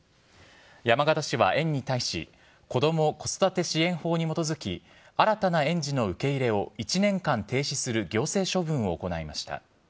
山形市は園に対し、子ども子育て支援法に基づき新たな園児の受け入れを１年間停止する行政処分を行いました。